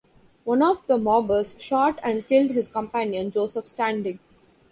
One of the mobbers shot and killed his companion, Joseph Standing.